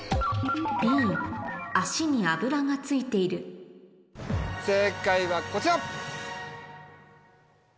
脚に油がついている正解はこちら！